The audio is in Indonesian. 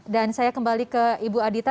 dan saya kembali ke ibu adita